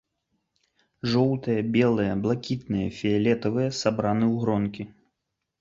Жоўтыя, белыя, блакітныя, фіялетавыя сабраны ў гронкі.